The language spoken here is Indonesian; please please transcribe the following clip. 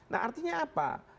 nah artinya apa